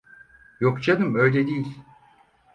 Yok canım, öyle değil